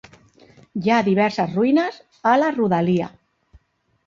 Hi ha diverses ruïnes a la rodalia.